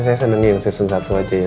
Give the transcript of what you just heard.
saya seneng deh yang season satu aja ya